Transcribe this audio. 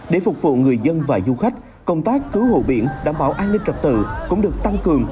để phục vụ người dân và du khách công tác cứu hộ biển đảm bảo an ninh trật tự cũng được tăng cường